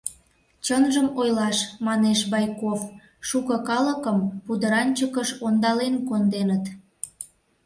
— Чынжым ойлаш, — манеш Байков, — шуко калыкым пудыранчыкыш ондален конденыт.